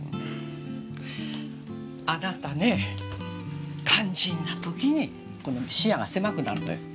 あなたね肝心な時にこの視野が狭くなるのよ。